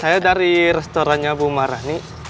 saya dari restorannya bu marani